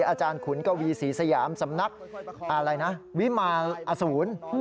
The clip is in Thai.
อาจารย์ขุนกวีศรีสยามสำนับวิมาอสูร